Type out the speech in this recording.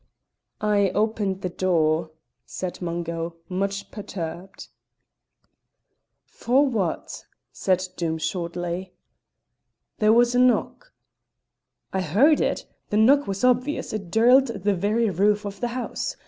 "I opened the door," said Mungo, much perturbed. "For what?" said Doom shortly. "There was a knock." "I heard it. The knock was obvious; it dirled the very roof of the house.